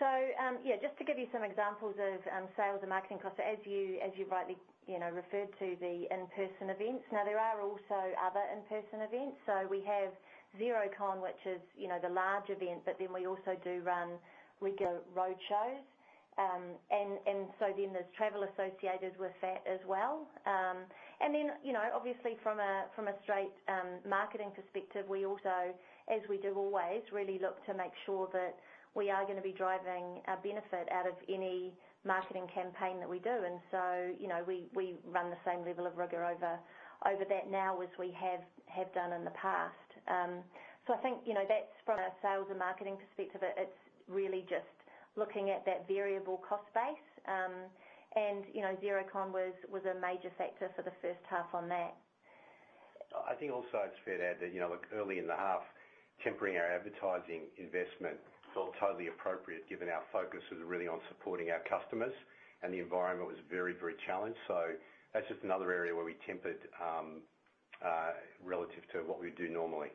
Yeah, just to give you some examples of sales and marketing costs. As you've rightly referred to the in-person events, there are also other in-person events. We have Xerocon, which is the large event, we also do run regional roadshows. There's travel associated with that as well. From a straight marketing perspective, we also, as we do always, really look to make sure that we are going to be driving a benefit out of any marketing campaign that we do. We run the same level of rigor over that now as we have done in the past. I think that's from a sales and marketing perspective, it's really just looking at that variable cost base. Xerocon was a major factor for the first half on that. I think also it's fair to add that, look, early in the half, tempering our advertising investment felt totally appropriate given our focus was really on supporting our customers and the environment was very challenged. That's just another area where we tempered relative to what we do normally.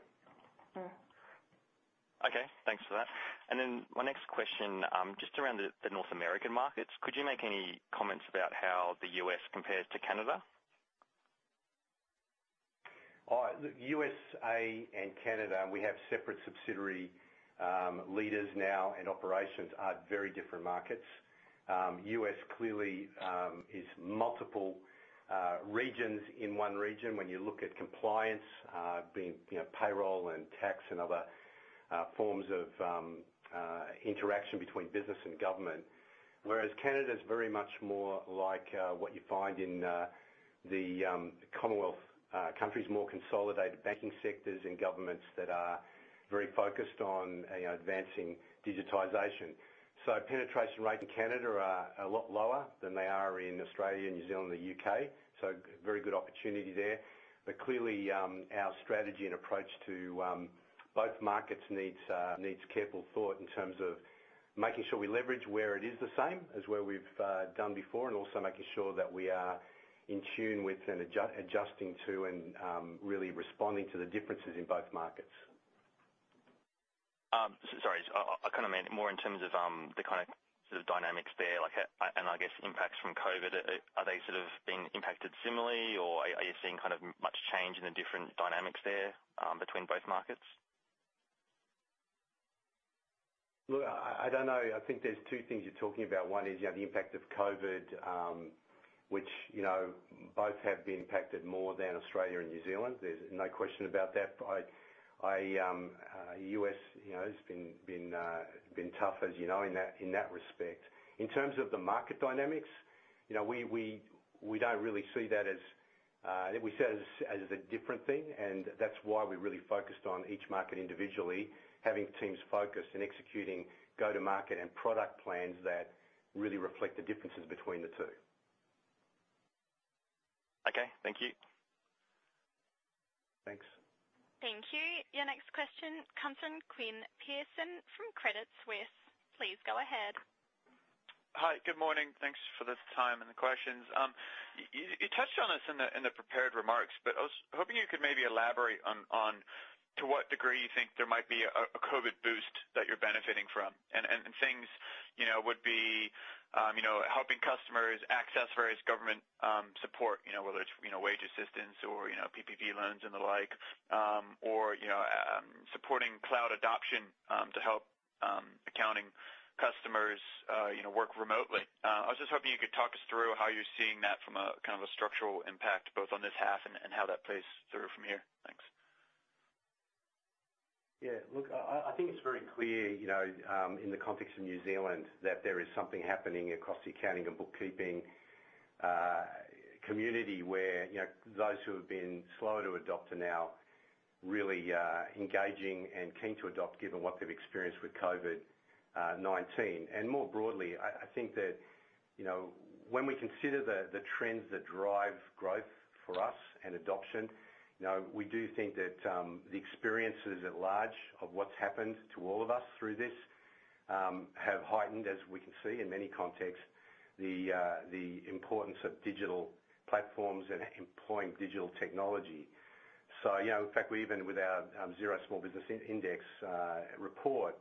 Okay, thanks for that. My next question, just around the North American markets, could you make any comments about how the U.S. compares to Canada? U.S.A. and Canada, we have separate subsidiary leaders now, operations are very different markets. U.S. clearly is multiple regions in one region when you look at compliance, being payroll and tax and other forms of interaction between business and government. Canada is very much more like what you find in the Commonwealth countries, more consolidated banking sectors and governments that are very focused on advancing digitization. Penetration rates in Canada are a lot lower than they are in Australia and New Zealand or U.K. Very good opportunity there. Clearly, our strategy and approach to both markets needs careful thought in terms of making sure we leverage where it is the same as where we've done before, and also making sure that we are in tune with and adjusting to and really responding to the differences in both markets. Sorry, I meant more in terms of the dynamics there, and I guess impacts from COVID. Are they being impacted similarly, or are you seeing much change in the different dynamics there between both markets? Look, I don't know. I think there's two things you're talking about. One is the impact of COVID-19, which both have been impacted more than Australia and New Zealand. There's no question about that. U.S. has been tough, as you know, in that respect. In terms of the market dynamics, we don't really see that as a different thing. That's why we're really focused on each market individually, having teams focused and executing go-to-market and product plans that really reflect the differences between the two. Okay. Thank you. Thanks. Thank you. Your next question comes from Quinn Paddon from Credit Suisse. Please go ahead. Hi. Good morning. Thanks for the time and the questions. You touched on this in the prepared remarks, but I was hoping you could maybe elaborate on to what degree you think there might be a COVID boost that you're benefiting from. And things would be helping customers access various government support, whether it's wage assistance or PPP loans and the like, or supporting cloud adoption to help accounting customers work remotely. I was just hoping you could talk us through how you're seeing that from a structural impact both on this half and how that plays through from here. Thanks. Yeah, look, I think it's very clear, in the context of New Zealand, that there is something happening across the accounting and bookkeeping community where those who have been slow to adopt are now really engaging and keen to adopt, given what they've experienced with COVID-19. More broadly, I think that when we consider the trends that drive growth for us and adoption, we do think that the experiences at large of what's happened to all of us through this, have heightened, as we can see in many contexts, the importance of digital platforms and employing digital technology. In fact, even with our Xero Small Business Index report,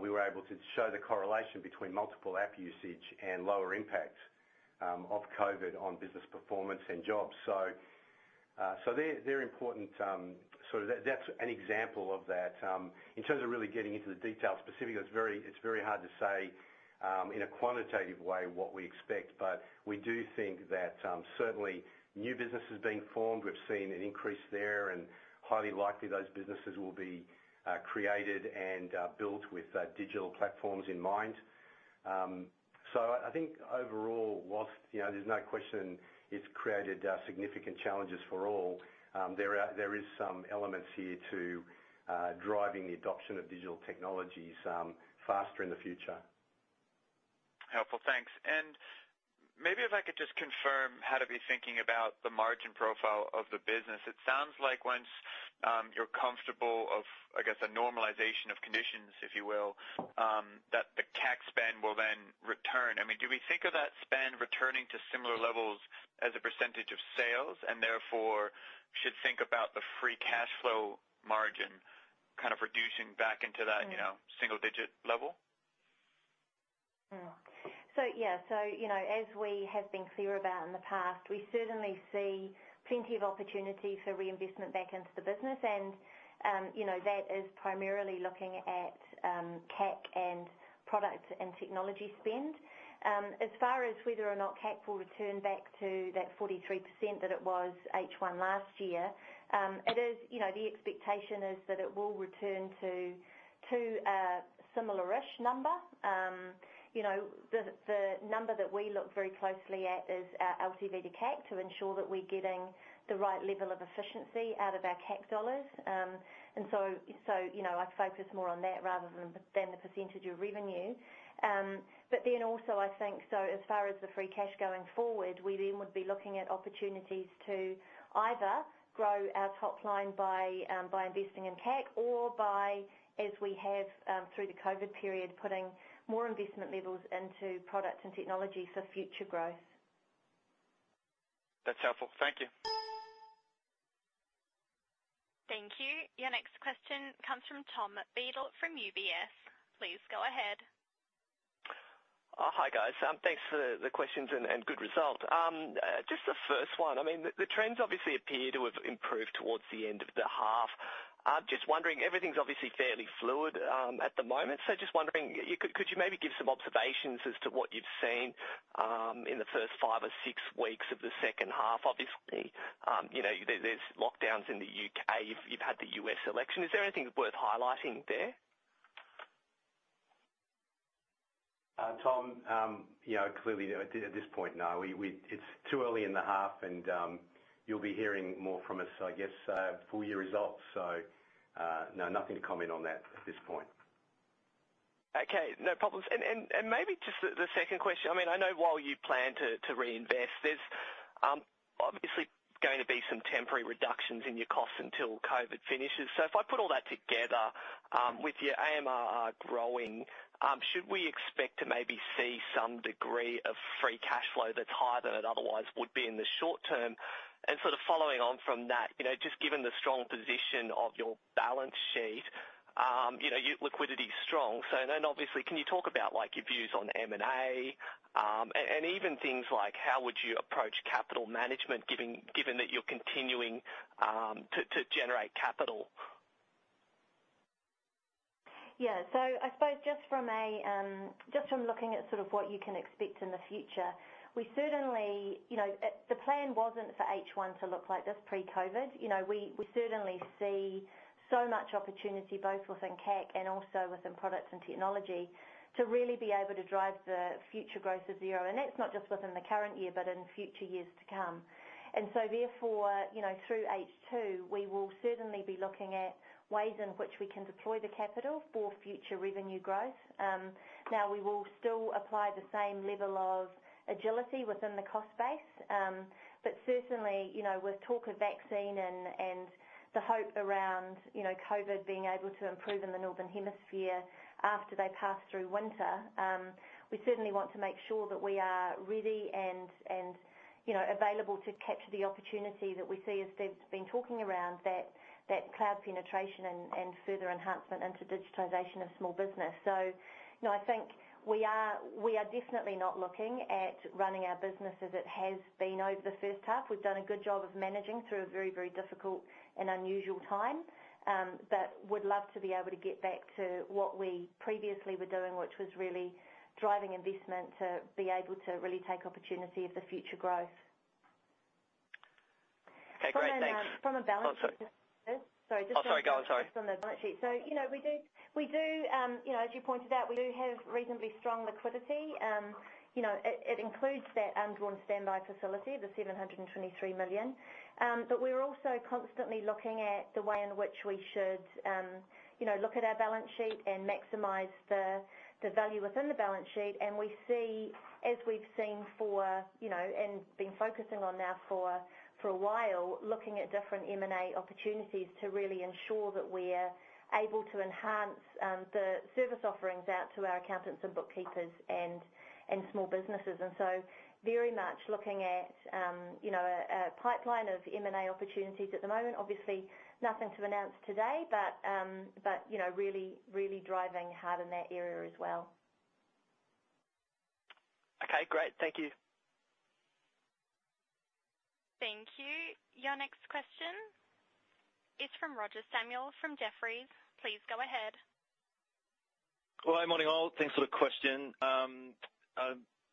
we were able to show the correlation between multiple app usage and lower impact of COVID on business performance and jobs. They're important. That's an example of that. In terms of really getting into the details specifically, it is very hard to say in a quantitative way what we expect, but we do think that certainly new businesses being formed, we have seen an increase there and highly likely those businesses will be created and built with digital platforms in mind. I think overall, whilst there is no question it has created significant challenges for all, there is some elements here to driving the adoption of digital technologies faster in the future. Helpful. Thanks. Maybe if I could just confirm how to be thinking about the margin profile of the business. It sounds like once you're comfortable of, I guess, a normalization of conditions, if you will, that the CAC spend will then return. Do we think of that spend returning to similar levels as a percentage of sales, and therefore should think about the free cash flow margin reducing back into that single digit level? Yeah. As we have been clear about in the past, we certainly see plenty of opportunity for reinvestment back into the business and, that is primarily looking at CAC and product and technology spend. As far as whether or not CAC will return back to that 43% that it was H1 last year, the expectation is that it will return to a similar-ish number. The number that we look very closely at is our LTV to CAC to ensure that we're getting the right level of efficiency out of our CAC dollars. I'd focus more on that rather than the percentage of revenue. Also I think, as far as the free cash going forward, we then would be looking at opportunities to either grow our top line by investing in CAC or by, as we have through the COVID period, putting more investment levels into product and technology for future growth. That's helpful. Thank you. Thank you. Your next question comes from Tom Beadle from UBS. Please go ahead. Hi, guys. Thanks for the questions and good result. Just the first one, the trends obviously appear to have improved towards the end of the half. Just wondering, could you maybe give some observations as to what you've seen in the first five or six weeks of the second half? Obviously, there's lockdowns in the U.K. You've had the U.S. election. Is there anything worth highlighting there? Tom, clearly at this point, no. It's too early in the half, and you'll be hearing more from us, I guess, full year results. No, nothing to comment on that at this point. Okay. No problems. Maybe just the second question. I know while you plan to reinvest, temporary reductions in your costs until COVID-19 finishes. If I put all that together with your AMRR growing, should we expect to maybe see some degree of free cash flow that's higher than it otherwise would be in the short term? Following on from that, just given the strong position of your balance sheet, your liquidity is strong. Obviously, can you talk about your views on M&A, and even things like how would you approach capital management given that you're continuing to generate capital? I suppose just from looking at what you can expect in the future, the plan wasn't for H1 to look like this pre-COVID-19. We certainly see so much opportunity both within CAC and also within products and technology to really be able to drive the future growth of Xero. That's not just within the current year, but in future years to come. Therefore, through H2, we will certainly be looking at ways in which we can deploy the capital for future revenue growth. We will still apply the same level of agility within the cost base. Certainly, with talk of vaccine and the hope around COVID-19 being able to improve in the Northern Hemisphere after they pass through winter, we certainly want to make sure that we are ready and available to capture the opportunity that we see, as Steve's been talking around, that cloud penetration and further enhancement into digitization of small business. I think we are definitely not looking at running our business as it has been over the first half. We've done a good job of managing through a very difficult and unusual time. We'd love to be able to get back to what we previously were doing, which was really driving investment to be able to really take opportunity of the future growth. Okay, great. Thanks. From a balance- Oh, sorry. Sorry. Oh, sorry, go on. Sorry on the balance sheet. As you pointed out, we do have reasonably strong liquidity. It includes that undrawn standby facility of the 723 million. We're also constantly looking at the way in which we should look at our balance sheet and maximize the value within the balance sheet. We see, as we've seen and been focusing on now for a while, looking at different M&A opportunities to really ensure that we're able to enhance the service offerings out to our accountants and bookkeepers and small businesses. Very much looking at a pipeline of M&A opportunities at the moment. Obviously, nothing to announce today, but really driving hard in that area as well. Okay, great. Thank you. Thank you. Your next question is from Roger Samuel, from Jefferies. Please go ahead. Good morning, all. Thanks for the question.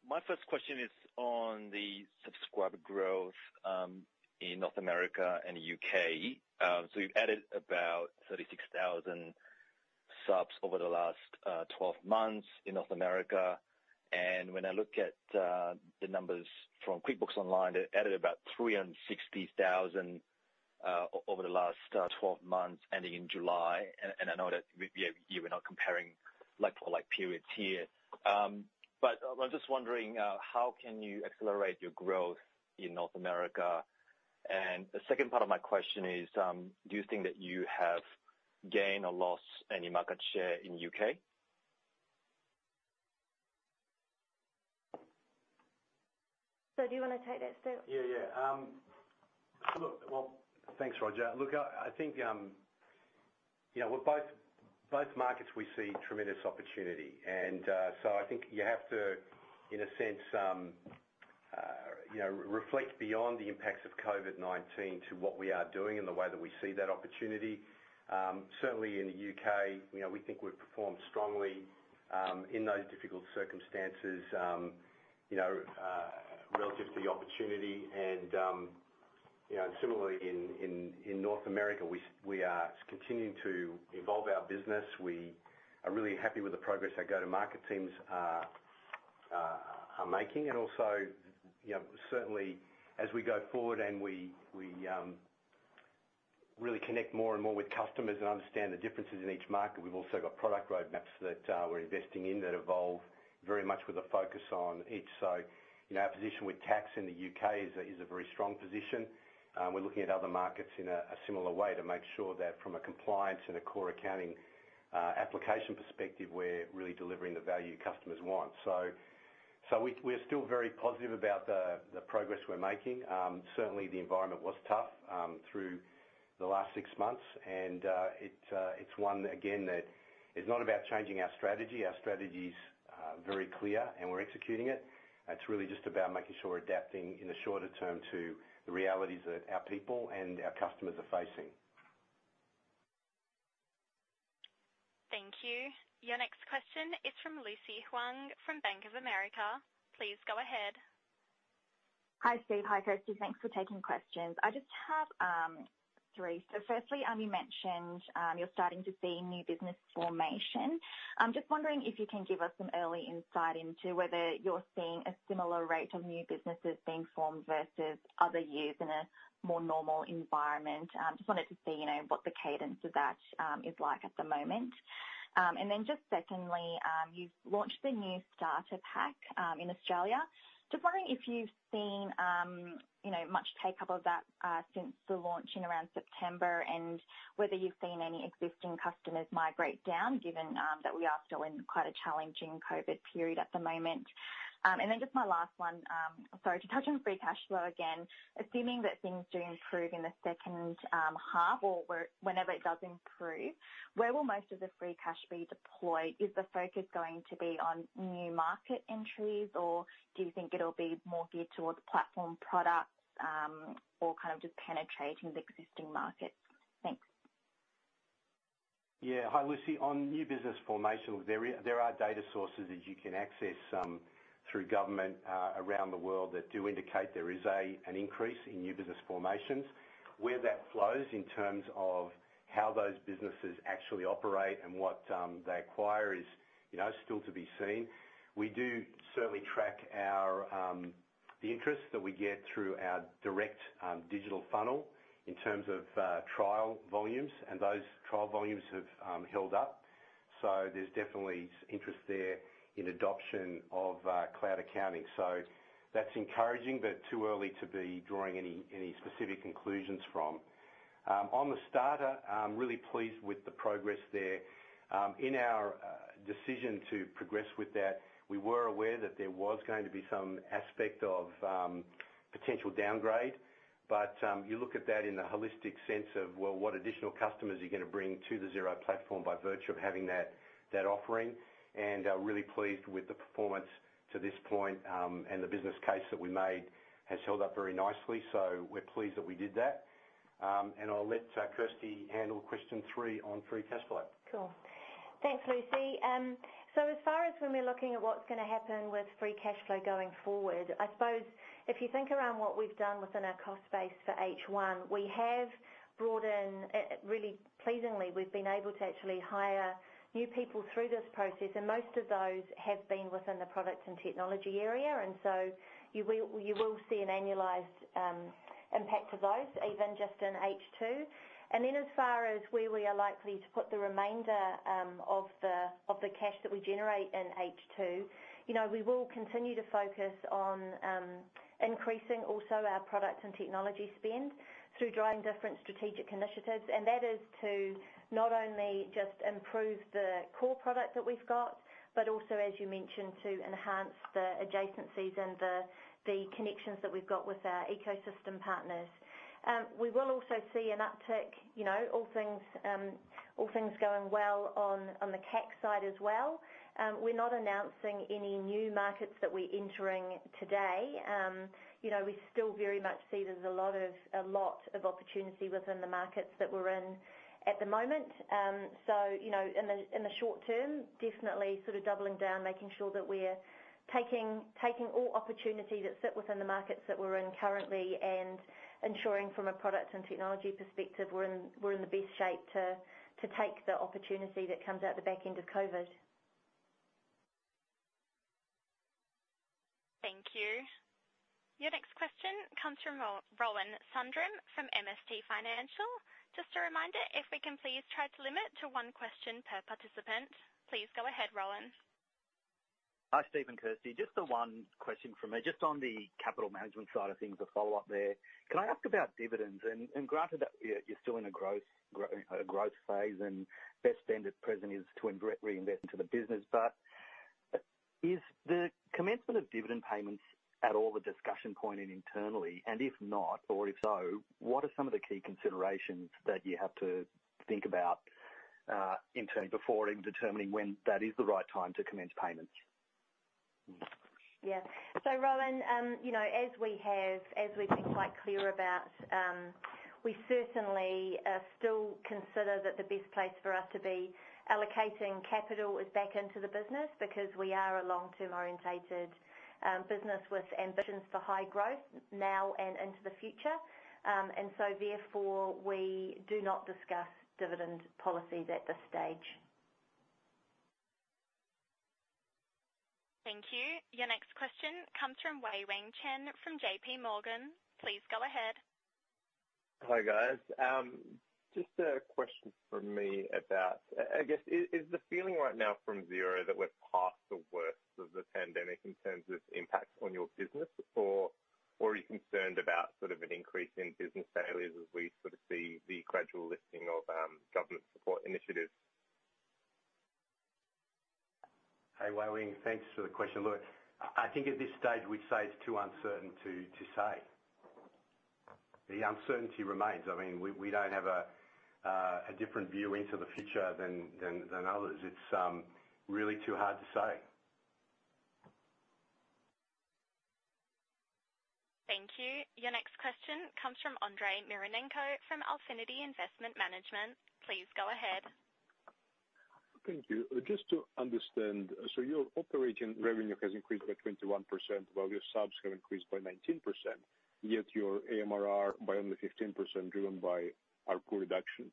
My first question is on the subscriber growth in North America and U.K. You've added about 36,000 subs over the last 12 months in North America. When I look at the numbers from QuickBooks Online, they added about 360,000 over the last 12 months, ending in July. I know that you were not comparing like-for-like periods here. I'm just wondering, how can you accelerate your growth in North America? The second part of my question is, do you think that you have gained or lost any market share in U.K.? Do you want to take that, Steve? Well, thanks, Roger. Look, I think both markets we see tremendous opportunity. I think you have to, in a sense, reflect beyond the impacts of COVID-19 to what we are doing and the way that we see that opportunity. Certainly in the U.K., we think we've performed strongly in those difficult circumstances relative to the opportunity. Similarly in North America, we are continuing to evolve our business. We are really happy with the progress our go-to-market teams are making. Also certainly as we go forward and we really connect more and more with customers and understand the differences in each market, we've also got product roadmaps that we're investing in that evolve very much with a focus on each. Our position with Xero Tax in the U.K. is a very strong position. We're looking at other markets in a similar way to make sure that from a compliance and a core accounting application perspective, we're really delivering the value customers want. We're still very positive about the progress we're making. Certainly the environment was tough through the last six months, and it's one, again, that is not about changing our strategy. Our strategy's very clear and we're executing it. It's really just about making sure we're adapting in the shorter term to the realities that our people and our customers are facing. Thank you. Your next question is from Lucy Huang, from Bank of America. Please go ahead. Hi, Steve. Hi, Kirsty. Thanks for taking questions. I just have three. Firstly, you mentioned you're starting to see new business formation. I'm just wondering if you can give us some early insight into whether you're seeing a similar rate of new businesses being formed versus other years in a more normal environment. Just wanted to see what the cadence of that is like at the moment. Just secondly, you've launched the new Starter pack in Australia. Just wondering if you've seen much take-up of that since the launch in around September, and whether you've seen any existing customers migrate down, given that we are still in quite a challenging COVID-19 period at the moment. Just my last one. To touch on free cash flow again, assuming that things do improve in the second half or whenever it does improve, where will most of the free cash flow be deployed? Is the focus going to be on new market entries, or do you think it will be more geared towards platform products, or just penetrating the existing markets? Thanks. Hi, Lucy. On new business formation, there are data sources that you can access through government around the world that do indicate there is an increase in new business formations. Where that flows in terms of how those businesses actually operate and what they acquire is still to be seen. We do certainly track the interest that we get through our direct digital funnel in terms of trial volumes. Those trial volumes have held up. There's definitely interest there in adoption of cloud accounting. That's encouraging, but too early to be drawing any specific conclusions from. On the Starter, really pleased with the progress there. In our decision to progress with that, we were aware that there was going to be some aspect of potential downgrade. You look at that in the holistic sense of, well, what additional customers you're going to bring to the Xero platform by virtue of having that offering, and are really pleased with the performance to this point. The business case that we made has held up very nicely. We're pleased that we did that. I'll let Kirsty handle question three on free cash flow. Cool. Thanks, Lucy. As far as when we are looking at what's going to happen with free cash flow going forward, I suppose if you think around what we've done within our cost base for H1, we have brought in, really pleasingly, we've been able to actually hire new people through this process, and most of those have been within the product and technology area. You will see an annualized impact of those, even just in H2. As far as where we are likely to put the remainder of the cash that we generate in H2, we will continue to focus on increasing also our product and technology spend through driving different strategic initiatives. That is to not only just improve the core product that we've got, but also, as you mentioned, to enhance the adjacencies and the connections that we've got with our ecosystem partners. We will also see an uptick, all things going well on the CAC side as well. We're not announcing any new markets that we're entering today. We still very much see there's a lot of opportunity within the markets that we're in at the moment. In the short term, definitely doubling down, making sure that we're taking all opportunities that sit within the markets that we're in currently, and ensuring from a product and technology perspective, we're in the best shape to take the opportunity that comes out the back end of COVID-19. Thank you. Your next question comes from Rohan Sundram from MST Financial. Just a reminder, if we can please try to limit to one question per participant. Please go ahead, Rohan. Hi, Steve and Kirsty. Just the one question from me. Just on the capital management side of things, a follow-up there. Can I ask about dividends? Granted that you're still in a growth phase, and best spend at present is to reinvest into the business. Is the commencement of dividend payments at all the discussion point internally? If not or if so, what are some of the key considerations that you have to think about internally before determining when that is the right time to commence payments? Yeah. Rohan, as we've been quite clear about, we certainly still consider that the best place for us to be allocating capital is back into the business, because we are a long-term orientated business with ambitions for high growth now and into the future. Therefore, we do not discuss dividend policies at this stage. Thank you. Your next question comes from Wei-Weng Chen from J.P. Morgan. Please go ahead. Hi, guys. Just a question from me about, I guess, is the feeling right now from Xero that we're past the worst of the pandemic in terms of impact on your business, or are you concerned about an increase in business failures as we see the gradual lifting of government support initiatives? Hey, Wei-Wang. Thanks for the question. I think at this stage, we'd say it's too uncertain to say. The uncertainty remains. We don't have a different view into the future than others. It's really too hard to say. Thank you. Your next question comes from Andrey Mironenko from Alphinity Investment Management. Please go ahead. Thank you. Just to understand, your operating revenue has increased by 21%, while your subs have increased by 19%, yet your AMRR by only 15%, driven by ARPU reduction.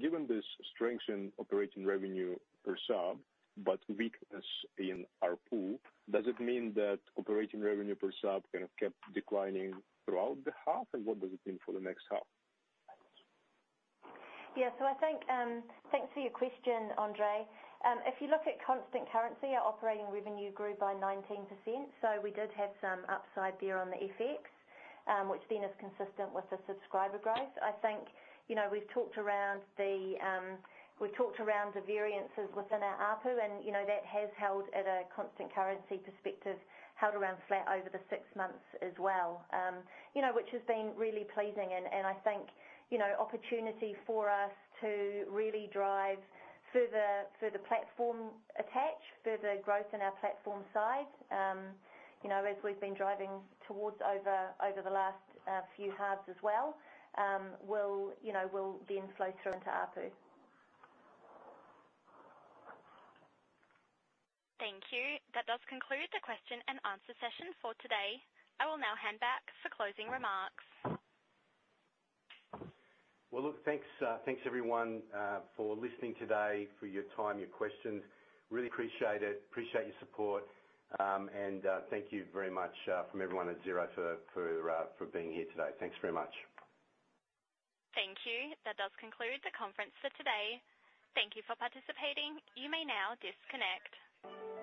Given this strength in operating revenue per sub, but weakness in ARPU, does it mean that operating revenue per sub kept declining throughout the half, and what does it mean for the next half? Yeah. Thanks for your question, Andrey. If you look at constant currency, our operating revenue grew by 19%. We did have some upside there on the FX, which then is consistent with the subscriber growth. I think we've talked around the variances within our ARPU, and that has held at a constant currency perspective, held around flat over the six months as well, which has been really pleasing. I think opportunity for us to really drive further platform attach, further growth in our platform side, as we've been driving towards over the last few halves as well, will then flow through into ARPU. Thank you. That does conclude the question-and-answer session for today. I will now hand back for closing remarks. Well, look, thanks, everyone, for listening today, for your time, your questions. Really appreciate it, appreciate your support. Thank you very much from everyone at Xero for being here today. Thanks very much. Thank you. That does conclude the conference for today. Thank you for participating. You may now disconnect.